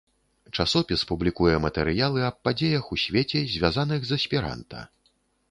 Часопіс публікуе матэрыялы аб падзеях у свеце, звязаных з эсперанта.